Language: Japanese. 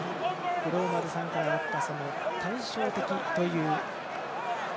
五郎丸さんからあった対照的という。